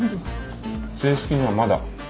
正式にはまだ。